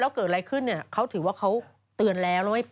แล้วเกิดอะไรขึ้นเขาถือว่าเขาเตือนแล้วและไม่ไป